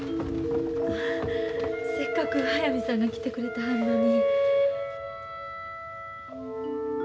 せっかく速水さんが来てくれてはるのに。